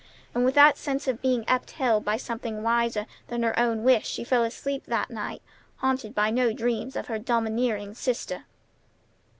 And with that sense of being upheld by something wiser than her own wish she fell asleep that night, haunted by no dreams of her domineering sister.